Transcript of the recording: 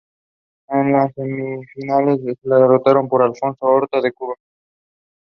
Credits and personnel adapted from the liner notes from "Sunshine Kitty" and Tidal.